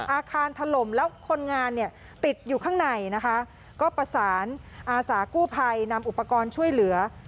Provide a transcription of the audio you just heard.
ถล่มแล้วคนงานเนี่ยติดอยู่ข้างในนะคะก็ประสานอาสากู้ภัยนำอุปกรณ์ช่วยเหลือ